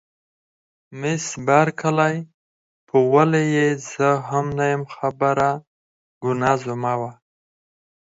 مس بارکلي: په ولې یې زه هم نه یم خبره، ګناه زما وه.